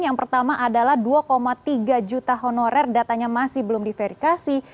yang pertama adalah dua tiga juta honorer datanya masih belum diverifikasi